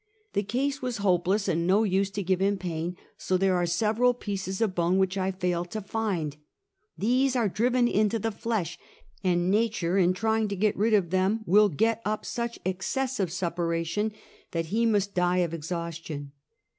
The case was hopeless, and no use to give him pain, so there are several pieces of bone which I failed to find. These are driven into the flesh, and nature in trying to get rid of them will get up such excessive suppuration that he must die of exhaustion.